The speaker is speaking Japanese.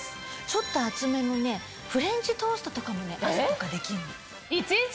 ちょっと厚めのフレンチトーストとかも朝とかできるの。